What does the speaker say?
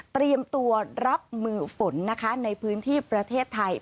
เตรียมตัวรับมือฝนนะคะในพื้นที่ประเทศไทย